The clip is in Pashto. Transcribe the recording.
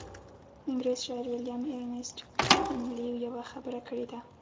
انګرېز شاعر ويليام ايرنيسټ هينلي يوه خبره کړې ده.